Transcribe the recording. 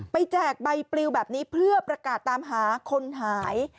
แจกใบปลิวแบบนี้เพื่อประกาศตามหาคนหาย